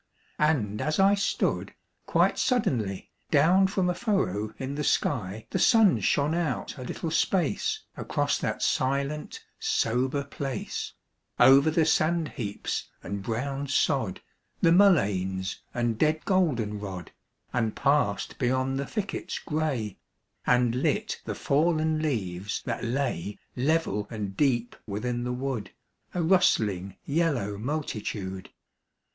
And as I stood, quite suddenly, Down from a furrow in the sky The sun shone out a little space Across that silent sober place, Over the sand heaps and brown sod, The mulleins and dead goldenrod, And passed beyond the thickets gray, And lit the fallen leaves that lay, Level and deep within the wood, A rustling yellow multitude.